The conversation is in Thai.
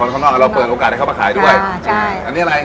ข้างนอกเราเปิดโอกาสให้เขามาขายด้วยอ่าใช่อันนี้อะไร